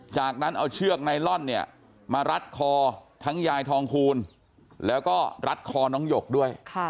จากนั้นเอาเชือกไนลอนเนี่ยมารัดคอทั้งยายทองคูณแล้วก็รัดคอน้องหยกด้วย